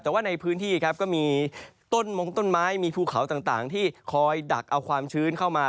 แต่ว่าในพื้นที่ครับก็มีต้นมงต้นไม้มีภูเขาต่างที่คอยดักเอาความชื้นเข้ามา